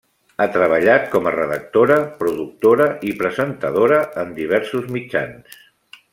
Ha treballat com a redactora, productora i presentadora en diversos mitjans.